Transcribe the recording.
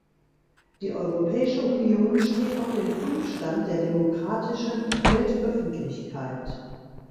Die Europäische Union steht auf dem Prüfstand der demokratischen Weltöffentlichkeit.